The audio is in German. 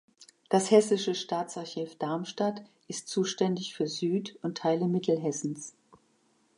Das Hessische Staatsarchiv Darmstadt ist zuständig für Süd- und Teile Mittelhessens.